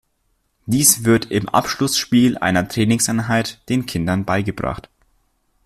Dies wird im Abschlussspiel einer Trainingseinheit den Kindern beigebracht.